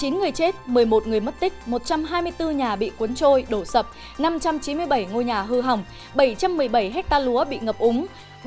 chín người chết một mươi một người mất tích một trăm hai mươi bốn nhà bị cuốn trôi đổ sập năm trăm chín mươi bảy ngôi nhà hư hỏng bảy trăm một mươi bảy hectare lúa bị ngập úng